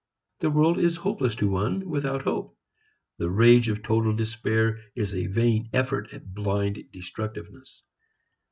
The world is hopeless to one without hope. The rage of total despair is a vain effort at blind destructiveness.